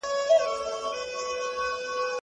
هغه د دین له نوم څخه د خلکو د غلطو لارښوونو مخنیوی وکړ.